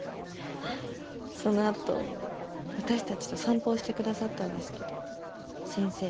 そのあと私たちと散歩をしてくださったんですけど先生